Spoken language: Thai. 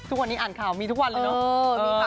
ทุกวันนี้อ่านข่าวมีทุกวันเลยเนอะ